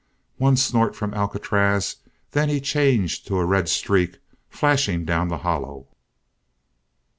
One snort from Alcatraz then he changed to a red streak flashing down the hollow.